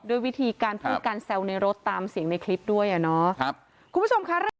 ด้วยวิธีการพูดการแซวในรถตามเสียงในคลิปด้วยอ่ะเนาะครับคุณผู้ชมค่ะเรื่อง